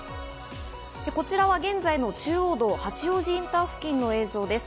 こちらは現在の中央道・八王子インター付近の映像です。